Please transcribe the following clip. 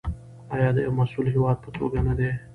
آیا د یو مسوول هیواد په توګه نه دی؟